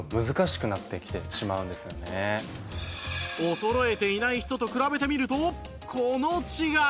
衰えていない人と比べてみるとこの違い